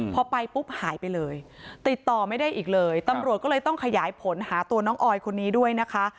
พอไปปุ๊บหายไปเลยติดต่อไม่ได้อีกเลยตำรวจก็เลยต้องขยายผลหาตัวน้องออยคนนี้ด้วยนะคะ